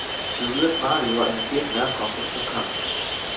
Berührt Mario einen Gegner, kommt es zum Kampf.